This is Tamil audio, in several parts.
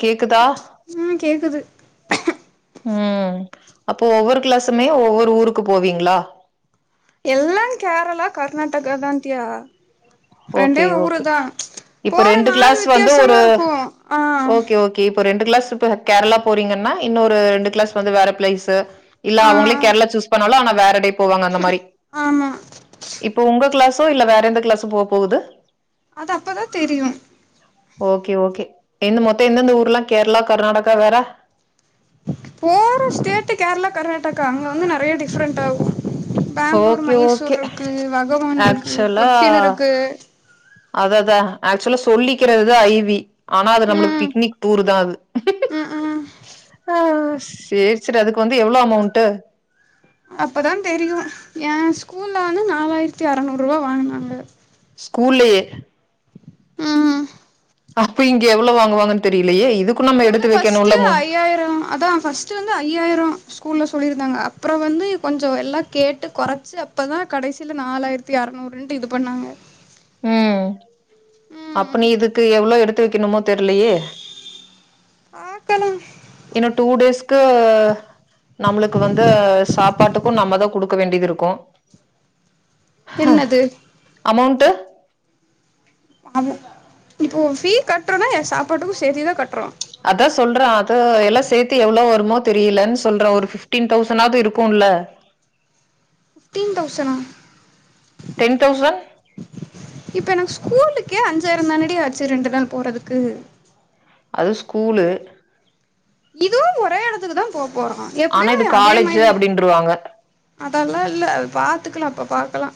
கேக்குதா உம் கேக்குது உம் அப்போ ஒவ்வொரு கிளாஸ்சுமே ஒவ்வொரு ஊருக்கு போவீங்களா எல்ல கேரளா கர்நாடகாதா தியா ஓகே ரெண்டே ஓகே ஊருதா இப்ப போற ரெண்டு நாள் கிளாஸ் வந்து வித்தியாசமா இருக்கும் ஆஹ் இப்ப ரெண்டு கிளாஸ் இப்ப கேரளா போறீங்கன்னா இன்னொறு ரெண்டு கிளாஸ் வந்து வேற பிளேஸ்ஸு இல்ல ஆ அவங்களே கேரளா சூஸ் பண்ணாலு ஆனா வேற டே போவாங்க அந்த மாரி ஆமா இப்ப உங்க கிளாஸ் இப்போ இல்ல வேற எந்த கிளஸும் போ போவுது அது அப்பதா தெரியும் ஓகே ஓகே இந்த மொத்தோ எந்தெந்த ஊர்லா கேர்ளா கர்நாடகா வேற போற ஸ்டேட்டு கேர்ளா கர்நாடகா அங்க வந்து நறைய டிஃப்ரெண்ட் ஆகு பேங்ளூர் ஓகே மைசூர் ஓகே இருக்கு வகவான் இருக்கு ஆக்சுவலா கொச்சின் இருக்கு அத அதான் ஆக்சுவலா சொல்லிக்கிறதுதா ஐ வி ஆனா அது நம்ளுக் ம் பிக்னிக் டூருதா அது ம் ம் ஆ சேர் சேரி அதுக்கு வந்து எவ்ளோ அமௌண்ட்டு அப்பதா தெரியு ஏ ஸ்கூல்ல வந்து நாலாயிரத்தி அறநூறுவா வாங்குனாங்க ஸ்கூல்லயே ம் அப்ப இங்க எவ்ளோ வாங்குவாங்கன் தெரியு ஸ்கூல்ல ஃபர்ஸ்ட்டு ஐயாயிரோ அதா ஃபர்ஸ்ட்டு வந்து ஐயாயிரோ ஸ்கூல்ல சொல்லியிருந்தாங்க அப்பறோ வந்து கொஞ்சொ எல்லா கேட்டு கொறச்சு அப்பதா கடைசியில நாலாயிரத்தி அறநூறுன்ட்டு இது பண்ணாங்க உம் ம் அப்ப நீ இதுக்கு எவ்ளோ எடுத் து வெக்கணுமோ தெர்லையே பாக்கணு ஏன்னா டூ டேஸ்க்கு நம்ளுக்கு வந்து சாப்பாட்டுக்கு நம்மதா குடுக்க வேண்டியது இருக்கு என்னது அந் இப்போ ஃபீ கட்றோனா ஏ சாப்பாட்டுக்கு சேத்திதா கட்றோ அதா சொல்ற அது எல்லா சேத்தி எவ்ளோ வருமோ தெ ரியிலன் சொல்ற ஒரு ஃபிஃப்டீன் தௌ [unintelligible] இருக்குல்ல ஃபிஃப்டீன் தௌசணா டென் தௌசண்ட் கூலுக்கே அஞ்சாயிர தானடி ஆச்சி ரெண்டு நாள் போறதுக்கு அது ஸ்கூலு இதுவு ஒரே எடத்துக்குதா போ போறோ ஆனா எப்டியு இது அதே காலேஜு மாரிதா அப்டின்ருவாங்க அதெல்லா இல்ல அது பாத்துக்கலா அப்ப பாக்கலா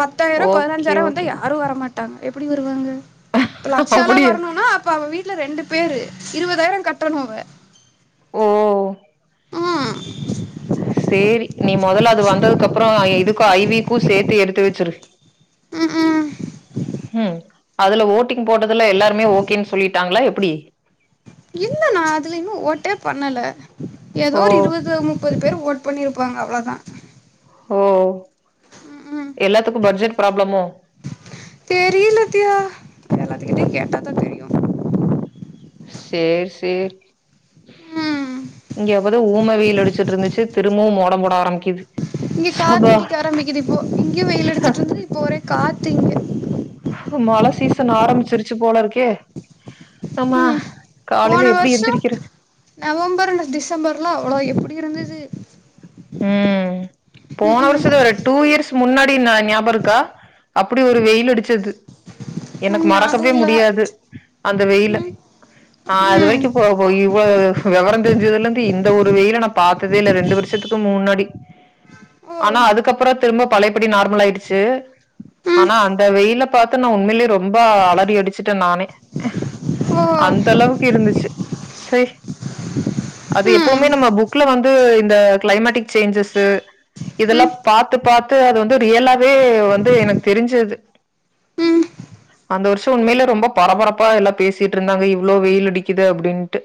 பத்தாயிர ஓகே பதினஞ்சாயிர வந்தா ஓகே யாரு வரமாட் டாங்க எப்டி வருவாங்க லக்ஷாலா அப்டியா வரணுன்னா அப்ப அவ வீட்ல ரெண்டு பேரு இருவதாயிர கட்டணு அவ ஓ ம் சேரி நீ மொதல்ல அது வந்ததுக்கப்றோ இ இதுக்கு ஐ வி க்கு சேத்தி எடுத்து வச்சிரு ம் ம் ம் அதுல ஓட்டிங் போட்டதுல எல்லாருமே ஓகேன் சொல்லிட்டாங்களா எப்டி இல்ல நா அதுல இன்னு ஓட்டே பண்ணல ஏதோ ஓ ஒரு இருவது முப்பது பேர் ஓட் பண்ணிருப்பாங்க அவ்வளோதா ஓ எல்லாத்துக்கும் பட்ஜெட் பராப்ளமோ தெரில தியா எல்லாத்துக்கிட்டயு கேட்டாதா தெரியும் சேரி சேரி ம் இங்க எப்பத ஊம வெயில் அடிச்சுட்டு இருந்துச்சு திரும்பவும் மோடம் போட ஆரம்பிக்குது இங்க சபா காத்தடிக்க ஆரம்பிக்குது இப்போ இங்க வெயில் அடிச்சுட்டு இருந்து இப்போ ஒரே காத் மழ சீச ன் ஆரம்பிச்சிருச்சு போல இருக்கே ஆமா ஹும் போன காலைல எப்டி வருஷம் எந்திரிக்கிறது நவம்பர் டிசம்பர்லாம் தோழா எப்படி இருந்தது ம் ம் போன வருஷத்து ம் ஒரு டூ இயர்ஸ் முன்னாடி நாஞாபம் இருக்கா அப்படி ஒரு வெயில் அடிச்சது ம் எனக்கு ஞாபக மறக்கவே இல்ல முடியாது அந்த வெயில ம் அது ம் வரைக்கும் போ இவ்வளோ விவரம் இதுல இருந்து இந்த ஒரு வெயில நா பாத்ததே இல்ல ரெண்டு வருஷத்துக்கு முன்னாடி ஓ ஆனா அதுக்கப்புறம் திரும்ப பழையப்படி நார்மல் ஆயிடுச்சு ம் ஆனா அந்த வெயில பாத்து நான் உண்மையிலயே ரொம்ப அலறி அடிச்சுட்டேன் நானே ஓ அந்த அளவுக்கு இருந்துச்சு சய் அது எப்பவுமே ம் நம்ம புக்ல வந்து இந்த கிளைமேட்டிக் சேஞ்சஸ்சு ம் இதெல்லாம் பாத்து பாத்து அது வந்து ரியலாவே வந்து எனக்கு தெரிஞ்சது ம் அந்த வருஷம் உண்மையில ரொம்ப பரபரப்பா எல்லாம் பேசிட்டு இருந்தாங்க இவ்வளோ வெயில் அடிக்குது அப்படின்ட்டு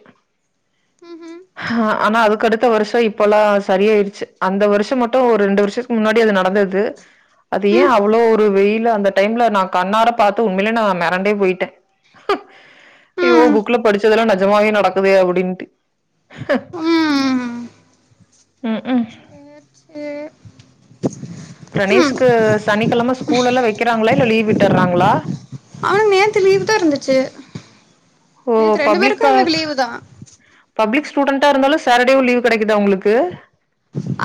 ம்ஹும் ஹ ஆனா அதுக்கடுத்த வருஷம் இப்பல்லாம் சரியாயிடுச்சு அந்த வருஷம் மட்டும் ஒரு ரெண்டு வருஷத்துக்கு முன்னாடி அது நடந்தது அது ஏன் ம் அவ்வளோ ஒரு வெயில அந்த டைம்ல நான் கண்ணார பாத்து உண்மையிலே நான் மெறண்டே போயிட்டேன் ம் ஐயோ புக்ல படிச்சதெல்லாம் நெஜமாவே நடக்குதே அப்படின்ட்டு ம் ம் ஹிம் ம் ம் சேர் ம் பிரணேஷ்க்கு சனிக்கிழமை ஸ்கூல்லல்லாம் வைக்கிறாங்களா ல்ல லீவ் விட்டுர்றாங்களா அவனு நேத்து லீவு தான் இருந்துச்சு ஓ நேத்து ரெண்டு பேருக்கு பப்ளிக்கா எங்களுக்கு லீவு தா பப்ளிக் ஸ்டூடெண்டா இருந்தாலும் சேட்டர்டே லீ்வ் கிடைக்குதா உங்களுக்கு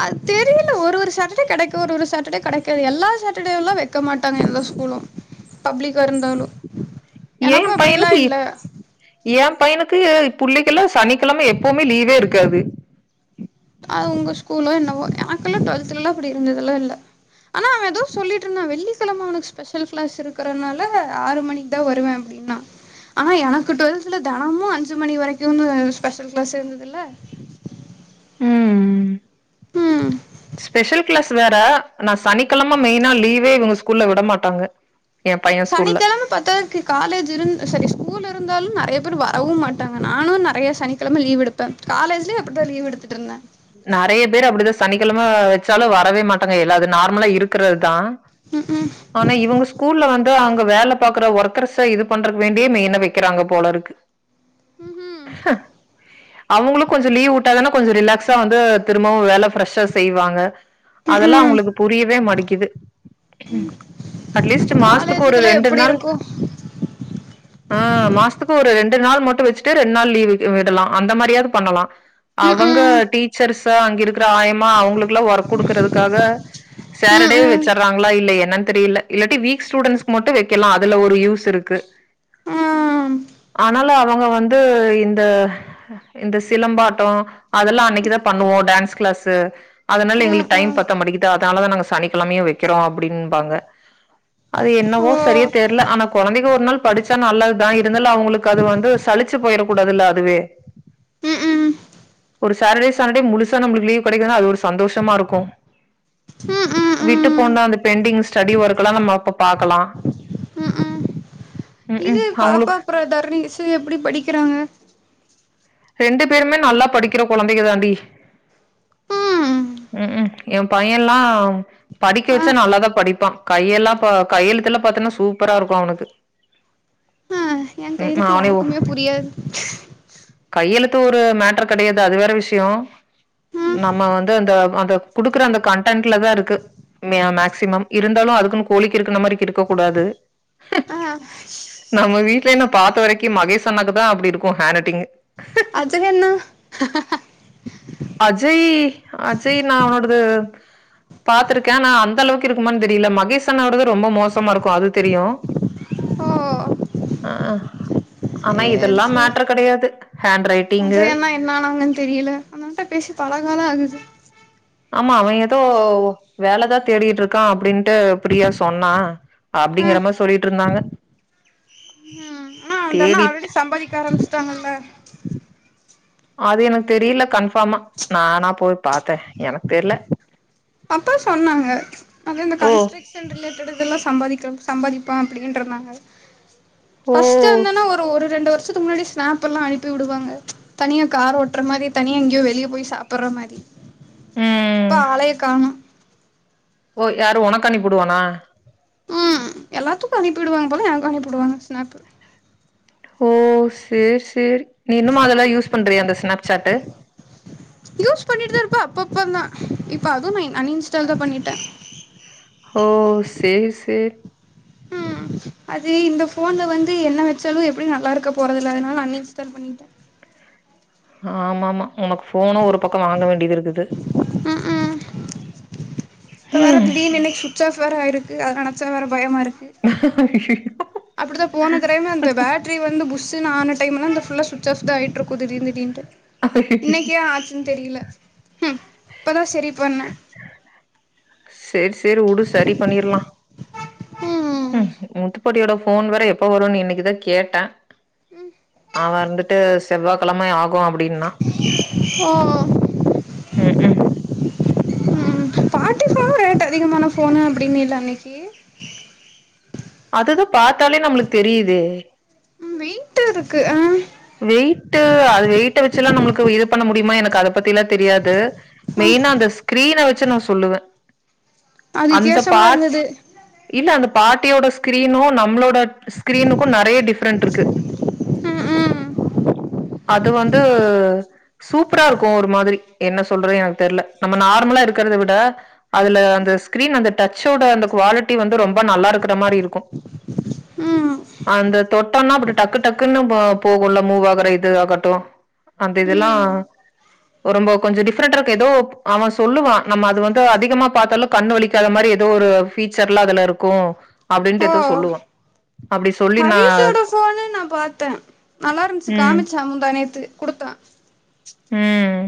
அது தெரியல ஒரு ஒரு சேட்டர்டே கிடைக்கும் ஒரு ஒரு சாட்டர்டே கிடைக்காது எல்லா சேட்டர்டே எல்லாம் வைக்க மாட்டாங்க எல்லா ஸ்கூலும் பப்ளிக்கா இருந்தாலும் என் பையனுக்கு இப் என் பையனுக்கு புள்ளக்கெல்லாம் சனிக்கிழமை எப்பவுமே லீவே இருக்காது அது உங்க ஸ்கூலோ என்னவோ எனக்கெல்லாம் டுவெல்த்த்லாம் அப்படி இருந்ததெலாம் இல்ல ஆனால் அவன் ஏதோ சொல்லிட்டு இருந்தான் வெள்ளிக்கிழமை அவனுக்கு ஸ்பெஷல் கிளாஸ் இருக்கிறதுனால ஆறு மணிக்கு தான் வருவேன் அப்படின்னா ஆனால் எனக்கு டுவெல்த்தல தினமும் அஞ்சு மணி வரைக்கும்னு ஸ்பெஷல் கிளாஸ் இருந்ததில்ல ம் ஸ்பெஷல் கிளாஸ் வேற நான் சனிக்கிழமை மெயினா லீவே இவங்க ஸ்கூல்ல விட மாட்டாங்க ஏ பைய ஸ்கூல்ல சனிக்கிழமை பத்தாதுக்கு காலேஜ் இருந் சாரி ஸ்கூல் இரு ந்தாலும் நிறைய பேர் வரவும் மாட்டாங்க நானும் நெறைய சனிக்கிழமை லீவு எடுப்பேன் காலேஜ்லயு அப்படி தான் லீவ் எடுத்துட்டுருந்தேன் நெறைய பேர் அப்படிதான் சனிக்கிழமை வச்சாலும் வரவே மாட்டாங்க எல்லா அது நார்மலா இருக்கிறதுதான் ம்ஹூம் ஆனா இவங்க ஸ்கூல்ல வந் தா அங்க வேலை பாக்குற ஒர்க்கர்ஸ் சா இது பண்றக்கு வேண்டியே மெயின வைக்கிறாங்க போல இருக்கு [inaudible] ம்ஹூம் அவங்களுக்கு கொஞ்ச லீவு விட்டாதானா கொஞ்ச ரிலாக்ஸ் வந்து திரும்பவும் வேலை ஃப்ரெஷ்ஷா செய்வாங்க அதெல்லாம் ம்ஹூம் அவங்களுக்கு புரியவே மாட்டிங்கிது அட்லீஸ்ட் மாசத்துக்கு ஒரு காலேஜுக்கெல்லா ரெண்டு எப்டி நாள் இருக்கு ஆ மாசத்துக்கு ஒரு ரெண்டு ரெண்டு நாள் மட்டும் வச்சுட்டு ரெண்டு நாள் லீவு விடலாம் அந்த மாரியாவது பண்ணலாம் அவங்க ம்ஹூம் டீச்சர்ஸ்சு அங்கிரு இரு ஆயமா அவங்களுக்குல்லாம் ஒர்க் கொடுக்குறதுக்காக சேட்டர்டே ம்ஹூம் வச்சறாங்களா இல்லைய என்ன தெரியல இல்லாடி வீக் ஸ்டுடென்ட்ஸ் மட்டும் வைக்கலாம் அதுல ஒரு யூஸ் இருக்கு இது ஆனால அவங்க வந்து இந்த இந்த சிலம்பாட்டம் அதெல்லாம் அன்னைக் இத பண்ணுவோ டான்ஸ் கிளாசு அதனால எங்ளுக்கு டைம் பத்த மட்டிக்குது அதனாலதா நாங்க சனிக்கிழமையே வைக்கிறோ அப்பிடின்பாங்க அது என்னவோ சரிய தெர்ல ஆனா கொழந்தைக ஒரு நாள் படிச்சா நல்லது தா இருந்தாலு அவங்ளுக்கு அது வந்து சலிச்சு போயிட கூடாதுல்ல அதுவே ஒரு சாட்டடே சண்டே முழுசா நம்ளுக்கு லீவ் கெடைக்குதுனா அது ஒரு சந்தோஷமாருக்கு விட்டு போன பெண்டிங் ஸ்டடி ஒர்க்கலா நம்ப அப்ப பாக்கலா ம் ம் இது பாப்பா அவங்களுக்கு அப்ற தருணிஷு எப்டி படிக்கிறாங்க ரெண்டு பேருமே நல்லா படிக்கிற கொழந்தைங்க தாண்டி ம் ம் ஏன் பையன்லாம் படிக்க ஆ வெச்சா நல்லாதா படி ப்பான் கையெல்லா பா கையெழுத்துலா பாத்தீன்னா சூப்பராருக்கு அவனுக்கு ஏன் ம் கையழுத்து அவனே ஒ யாருக்குமே புரியாது கையெழுத்து ஒரு மேட்டர் கெடையாது அது வேற விஷயோ ம் நம்ம வந்து அந்த அந்த குடுக்குற அந்த கன்டன்ட்ல தாருக்கு மே மேக்சிமம் இருந்தாலு அதுக்குன் கோழி கிருக்கன மாரி கிருக்க கூடாது ஆ நம்ம வீட்லே நா பாத்த வரைக்கு மகேஷ் அண்ணாக்குதா அப்டிருக்கு ஹேண்ட் ரைட்டிங் [unintelligible] அஜய் அஜய் நா அவனோடது பாத்துருக்கே ஆனா அந்த அளவுக்கு இருக்குமானு தெரில மகேஷ் அண்ணாவோடது ரொம்ப மோசமாருக்கு அது தெரியு ஓ ஆ ஆனா இது இதெல்லா மேட்ரு கெடையாது ஹேண்ட் ரைட்டிங்கு அஜய் அண்ணா என்ன ஆனாங்கன்னு தெரியல ஆனா ட பேசி பல கால ஆகுது ஆமா அவன் எதோ வேலதா தேடிட்ருக்கா அப்டின்ட்டு பிரியா சொன்னா ஆ அப்டிங்குற மாரி சொல்லிட்ருந்தாங்க ம் அந்த அண்ணா தேடிட் ஆல்ரெடி சம்பாதிக்க ஆரம்பிச்சிட்டாங்கல்ல அது எனக்கு தெரில கன்ஃபார்மா நானா போய் பாத்தே எனக்கு தெர்ல அப்பா சொன்னாங்க அது இந்த ஓ கன்ஸ்ட்ரக்க்ஷன் ரிலேடடு இதெல்லா சம்பாதிக்க சம்பாதிப்பா அப்படின்ருந்தாங்க ஓ பர்ஸ்ட்டு அந்த அண்ண ஒரு ஒரு ரெண்டு வருஷ துக்கு முன்னாடி ஸ்னாப்பெல்லா அனுப்பி வுடுவாங்க தனியா கார் ஓட்ற மாரி தனியா எங்கயோ வெளிய போய் சாப்புடுற மாரி ப்ப ம் ஆளே ம் ஓ யாரு உனக்கணுப்புடுவானா ம் எல்லாத்துக்கு அனுப்பிடுவாங்க போல என அனுப்பிடுவாங்க ஸ்னாப்பு ஓ சேர் சேரி நீ இன்னமு அதெல்லா யூஸ் பண்றியா அந்த ஸ்னாப்சாட்டு இப்ப அப்பப்ப தா இப்ப அதுவு அன்இன்ஸ்டால் தா பண்ணிட்டே ஓ சேரி சேரி ம் அது இந்த போன்ல வந்து என்ன வச்சாலு எப்புடியு நல்லாருக்க போறதல்ல அதனால அன் இன்ஸ்டால் பண்ணிட்டே ஆமா ஆமா உனக்கு ஃபோனு ஒரு பக்கம் வாங்க வேண்டியதுருக்குது ம் ம் இப்ப வேற ம் திடீர்னு சுட்ச்சாஃப் வேற ஆயிர்து அத நினச்சா வேற பயமா இருக்கு ம்ஹஹஹிஹிஹ அப்படித்தான் போன தரமே அந்த பேட்டரி வந்து புஸ் இ நான்ன டைமலாம் அந்த ஃபுல்லா சுவிச் ஆஃப் தான் ஆயிட்ருக்கும் திடீர் திடீர்னுட்டு இன்னைக்கேன் ஆச்சுன்னு தெரியல ஹம் இப்பதான் சரி பண்ணேன் சரி சரி உடு சரி பண்ணிரலாம் ம் உம் உத்த [inaudible] போன் வேற எப்ப வரும்னு இன்னைக்குதான் கேட்டேன் ஆஹ் வறந்துட்டு செவ்வாகெழமை ஆவ் ஓ அப்படின்னா ஓ உம் உம் உஹம் பார்ட்டிஃ ரேட் அதிகமான போனு அப்டினல்ல அன்னைக்கு அதுததா பாத்தாலே நம்மளுக்கு தெரியுதே உ வெய்டா இருக்கு ஆஹ வெயிட்டு அது வெயிட்ட வச்சுல்லா நம்மளுக்கு இது பண்ண முடியுமா எனக்கு அத பத்திலா தெரியாது ம் மெயினா அந்த ஸ்கிரீன வச் செர் நா சொல்லுவ அது வித்தியாசமா இருந்துது இல்ல அந்த பாட்டியோட ஸ்கிரீனு நம்மளோட ஸ்கிரீனுக்கு நெறயா டிஃப்ரென்ட் இருக்கு ம் ம் அது வந்து சூப்பரா இருக்கு ஒரு மாதிரி என்ன சொல்ற எனக்கு தெர்ல நம்ம நார்மலா இருக்றத விட அதுல அந்த ஸ்கிரீன் அந்த டச்சோட அந்த குவாலிட்டி வந்து ரொம்ப நல்லா இருக்கிற மாரி இருக்கு ம் அந்த தொட்டனா அப்டி டக்கு டக்குன்னு ப்ப போகுல்ல மூவ் ஆகுற இது ஆகட்டு அந்த இதெல்லா ம் ரொம்ப கொஞ்சோ டிஃப்ரெண்டா இருக்கு ஏதோ அவ சொல்லுவா நம்ம அது வந்து அதிகமா பாத்தாலு கண் வலிக்காத மாரி ஏதோ ஒரு ஃபீச்சர் எல்லா அதுல இருக்கு ஓ அப்டின்ட்டு ஏதோ சொல்லுவா அப்டி சொல்லி நா ஹரீஷோட போன்னு நானு பாத்தே நல்லாரிந்துச்சு ம் காமிச்சா முந்தா நேத்து குடுத்தா உம்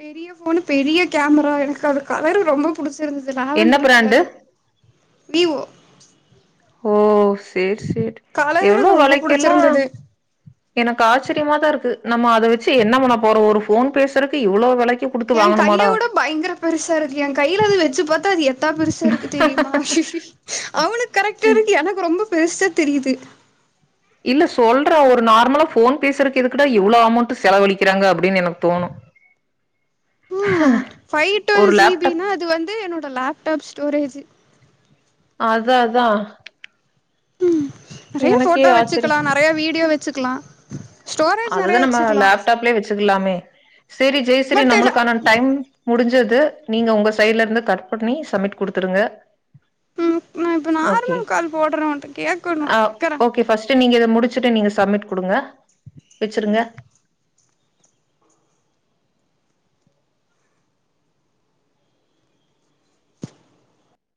பெரிய போனு பெரிய கேமரா எனக்கு அது கலரு ரொம்ப புடிச் இருந்துது என்ன லெவண்டர் பிராண்டு கலரு வீ ஓ ஓ செர் செர் எவ்வளோ எனக்கு ரொம்ப வலைக்ககெல்லா புடிச்சிருந்தது எனக்காச் தெரியமா தான் இருக்கு நம்ம அதை வச்சு என்ன பண்ண போறோ ஒரு போன் பேசறக்கு இவ்வளவு வலக்கு என் கைய கூட பயங்கர பெருசா இருக்கு என் கையில அது வச்சு பாத்தா அது எத் [unintelligible] பெருசா இருக்கு தெரியுமா அவனுக்கு கரெக்டா இருக்கு எனக்கு ரொம்ப பெர்சா தெரிது இல்ல சொல்ற ஒரு நார்மலா போன் பேசுறக்கு எதுக்குடா இவ்ளோ அமொண்ட் செலவழிக்றாங்க அப்டின்னு எனக்கு தோணு ஃபைவ் டுவெல் ஒரு ஜி பி லேப்டாப் னா அது வந்து என்னோட லேப்டப் ஸ்டோரேஜ்ஜி அதா அதா உம் நெறையா எனக்கே போட்டோ ஆச்சரியம் வச்சுக்கலான் நெறையா வீடியோ வச்சுக்கலான் அதுதா நம்ம லேப்டப்லயே வச்சுக்கலாமே செரி ஜெய் ஸ்ரீ பட் இத நம்மளுக்கான டைம் முடிஞ்ச து நீங்க உங்க சைடுலருந்து கட் பண்ணி சப்மிட் குடுத்துருங்க ம் நா இப்ப ஓகே நார்மல் கால் போடுறவன்ட்ட கேக்கணு அ வைக்கறே ஓகே ஃபஸ்ட் நீங்க எத முடிச்சுட்டு நீங்க சப்மிட் கொடுங்க வச்சுருங்க.